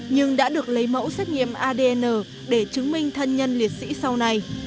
nhưng đã được lấy mẫu xét nghiệm adn để chứng minh thân nhân liệt sĩ sau này